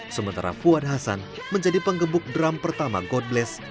sementara fuad hasan menjadi penggembuk drum pertama god bless